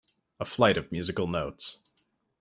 A flight of musical notes.